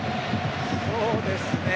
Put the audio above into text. そうですね。